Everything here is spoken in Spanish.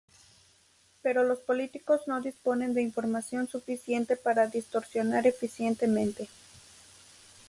Pero los políticos no disponen de información suficiente para distorsionar eficientemente.